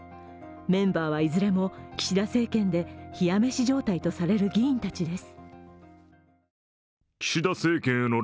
メンバーはいずれも、岸田政権で冷や飯状態とされる議員たちです。